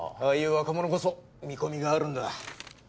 ああいう若者こそ見込みがあるんだ。